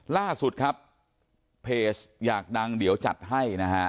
ล่าสุดครับเพจอยากดังเดี๋ยวจัดให้นะฮะ